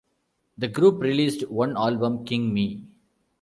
The group released one album, "King Me".